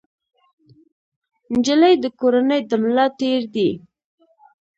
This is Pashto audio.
نجلۍ د کورنۍ د ملا تیر دی.